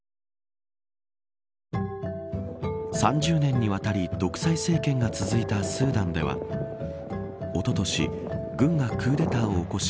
３０年にわたり独裁政権が続いたスーダンではおととし軍がクーデターを起こし